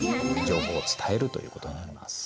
情報を伝えるということになります。